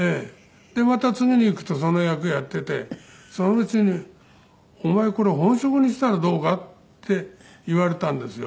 また次に行くとその役やっていてそのうちに「お前これ本職にしたらどうか？」って言われたんですよ。